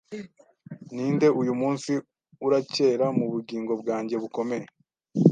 Ninde uyumunsi uracyera mubugingo bwanjye bukomeye